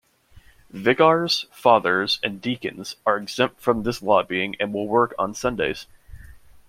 Vicars, Fathers, and Deacons are exempt from this lobbying and will work on Sundays.